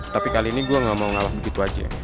tapi kali ini gue gak mau ngalah begitu aja